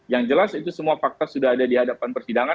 yang jelas itu semua fakta sudah ada di hadapan persidangan